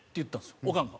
よオカンが。